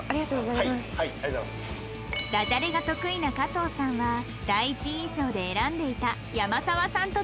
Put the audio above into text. ダジャレが得意なかとうさんは第一印象で選んでいた山澤さんと２ショット